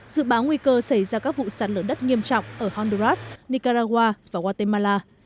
dự báo nguy cơ xảy ra các vụ sản lửa đất nghiêm trọng ở honduras nicaragua và guatemala